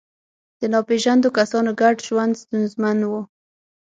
د ناپېژاندو کسانو ګډ ژوند ستونزمن و.